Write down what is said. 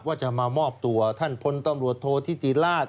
ว่าจะมามอบตัวท่านพลตำรวจโทษธิติราช